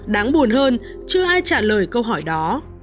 đáng buồn hơn chưa ai trả lời câu hỏi đó